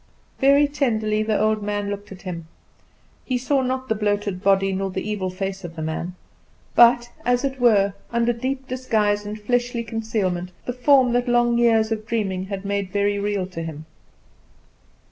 Very tenderly the old man looked at him. He saw not the bloated body nor the evil face of the man; but, as it were, under deep disguise and fleshly concealment, the form that long years of dreaming had made very real to him.